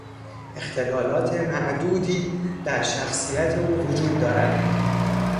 اختلالات معدودی در شخصیت او وجود دارد.